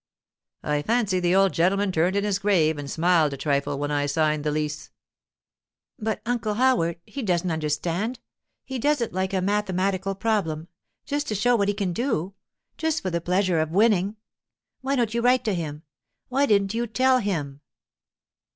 I fancy the old gentleman turned in his grave and smiled a trifle when I signed the lease.' 'But, Uncle Howard, he doesn't understand. He does it like a mathematical problem, just to show what he can do, just for the pleasure of winning. Why don't you write to him? Why didn't you tell him?